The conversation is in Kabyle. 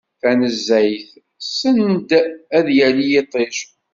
Tanezzayt, send ad d-yali yiṭij.